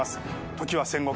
時は戦国。